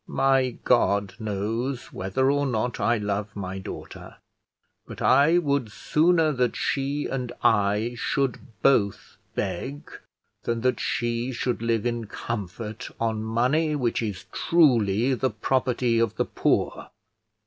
My God knows whether or no I love my daughter; but I would sooner that she and I should both beg, than that she should live in comfort on money which is truly the property of the poor.